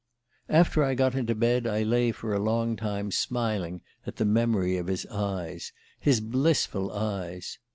"After I got into bed I lay for a long time smiling at the memory of his eyes his blissful eyes...